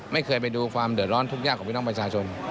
ไม่เคยไปดูความเดิดร้อนทุกอย่างของวินักประชาชน